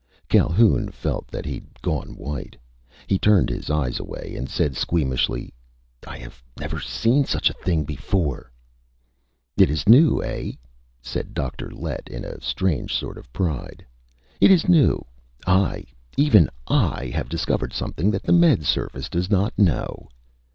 Calhoun felt that he'd gone white. He turned his eyes away and said squeamishly: "I have never seen such a thing before." "It is new, eh?" Said Dr. Lett in a strange sort of pride. "It is new! I ... even I!... have discovered something that the Med Service does not know!"